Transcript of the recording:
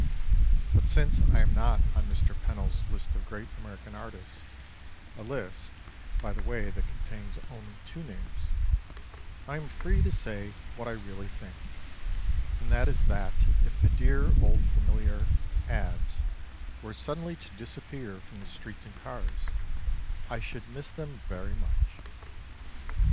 But since I am not on Mr. Pennell's list of great American artists, a list, by the way that contains only two names, I am free to say what I really think, and that is that if the dear old familiar "Ads" were suddenly to disappear from the streets and cars, I should miss them very much.